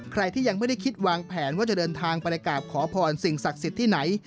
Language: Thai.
ใครที่ยังไม่ได้คิดวางแผนว่าจะเดินทางไปกราบขอพรสิ่งศักดิ์สิทธิ์ที่ไหน